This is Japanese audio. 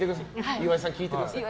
岩井さん、聞いてください。